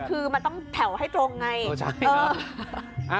แต่คือมันต้องแถวให้ตรงไงโอ้ใช่ค่ะ